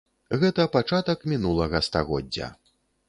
Гэта пачатак мінулага стагоддзя.